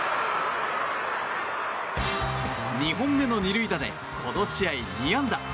２本目の２塁打でこの試合、２安打。